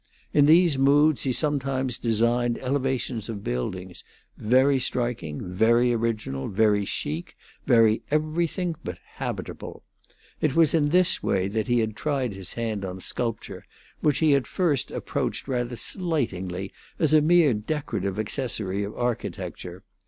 In these moods he sometimes designed elevations of buildings, very striking, very original, very chic, very everything but habitable. It was in this way that he had tried his hand on sculpture, which he had at first approached rather slightingly as a mere decorative accessory of architecture.